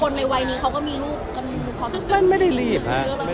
ที่และไม่อยากมีลูกบ้างล่ะ